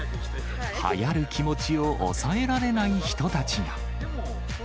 はやる気持ちを抑えられない人たちが。